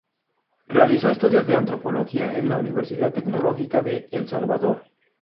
Realizó estudios de antropología en la Universidad Tecnológica de El Salvador.